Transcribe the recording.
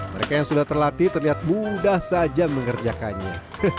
mereka yang sudah terlatih terlihat mudah saja mengerjakannya